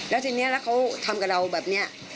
แล้วทีนี้แล้วเขาทำกับเราแบบนี้